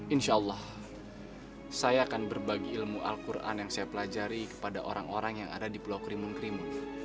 insya allah saya akan berbagi ilmu al quran yang saya pelajari kepada orang orang yang ada di pulau krimun krimun